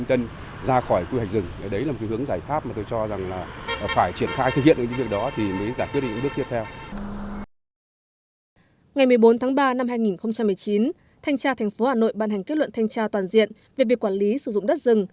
thanh tra thành phố hà nội ban hành kết luận thanh tra toàn diện về việc quản lý sử dụng đất rừng